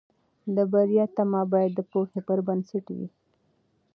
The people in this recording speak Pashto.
د بریا تمه باید د پوهې پر بنسټ وي.